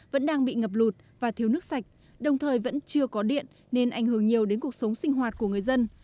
vẫn đang bị ngập lụt và thiếu nước sạch đồng thời vẫn chưa có điện nên ảnh hưởng nhiều đến cuộc sống sinh hoạt của người dân